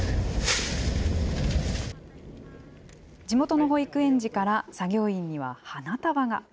地元の保育園児から、作業員には花束が。